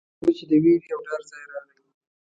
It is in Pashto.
کله به چې د وېرې او ډار ځای راغی.